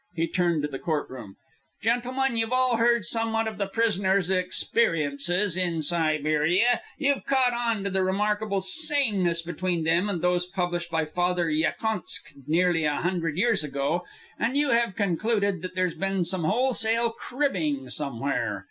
He turned to the court room. "Gentlemen, you've all heard somewhat of the prisoner's experiences in Siberia. You've caught on to the remarkable sameness between them and those published by Father Yakontsk nearly a hundred years ago. And you have concluded that there's been some wholesale cribbing somewhere.